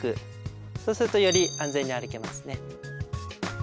そうするとより安全に歩けますね。